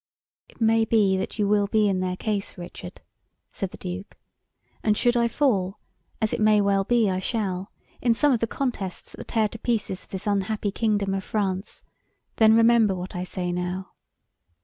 "It may be that you will be in their case, Richard," said the Duke, "and should I fall, as it may well be I shall, in some of the contests that tear to pieces this unhappy Kingdom of France, then, remember what I say now.